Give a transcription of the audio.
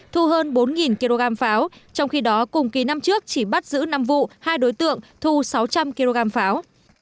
thu hơn bốn kg pháo trong khi đó cùng kỳ năm trước chỉ bắt giữ năm vụ hai đối tượng thu sáu trăm linh kg pháo